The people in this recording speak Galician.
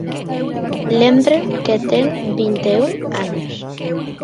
Lembren que ten vinte e un anos.